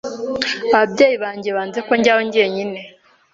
Ababyeyi banjye banze ko njyayo njyenyine.